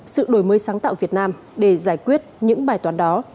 sự đổi mới sáng tạo việt nam để giải quyết những bài thiết